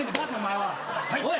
はい？おい。